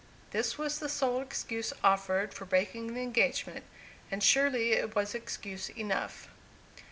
This was the sole excuse offered for breaking the engagement, and surely it was excuse enough.